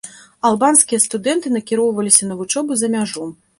Албанскія студэнты накіроўваліся на вучобу за мяжу.